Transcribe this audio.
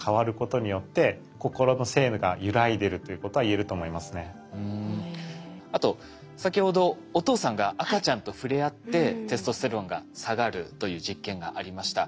個人の中ですら分単位秒単位にあと先ほどお父さんが赤ちゃんと触れあってテストステロンが下がるという実験がありました。